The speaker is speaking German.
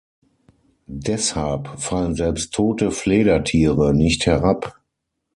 Deshalb fallen selbst tote Fledertiere nicht herab.